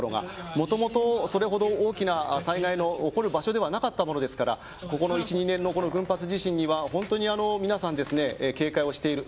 もともとそれほど大きな災害が起こる場所ではなかったものですからこの１２年の群発地震には、本当に皆さん警戒をしている。